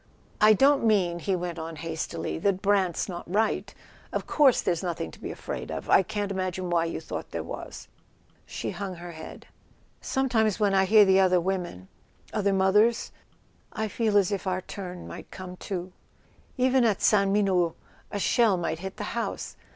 "I don't mean," he went on hastily, "that Brant's not right: of course there's nothing to be afraid of. I can't imagine why you thought there was." She hung her head. "Sometimes when I hear the other women—other mothers—I feel as if our turn [ 240 ] A SON AT THE FRONT must come too. Even at Sainte Menehould a shell might hit the house.